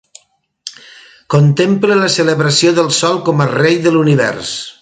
Contemple la celebració del sol com a rei de l’univers.